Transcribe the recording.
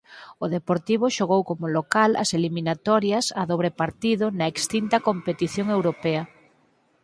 O Deportivo xogou como local as eliminatorias a dobre partido na extinta competición europea.